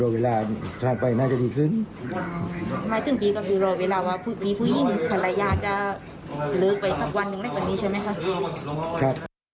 คือรอเวลาว่าสักมาแลตนหนึ่งเราก็ลืมหลายนิดนะคะ